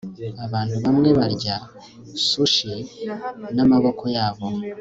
Abantu bamwe barya sushi namaboko yabo